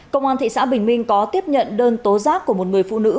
công an thị xã bình minh có tiếp nhận đơn tố giác của một người phụ nữ